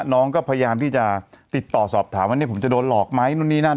น้องก็พยายามที่จะติดต่อสอบถามว่าเนี่ยผมจะโดนหลอกไหมนู่นนี่นั่น